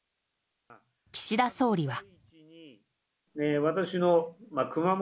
岸田総理は。